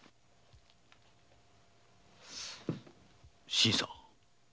新さん。